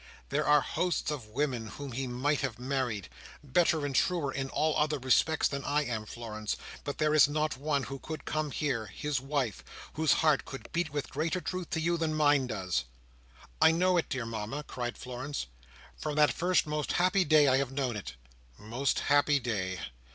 There are hosts of women whom he might have married, better and truer in all other respects than I am, Florence; but there is not one who could come here, his wife, whose heart could beat with greater truth to you than mine does." "I know it, dear Mama!" cried Florence. "From that first most happy day I have known it." "Most happy day!"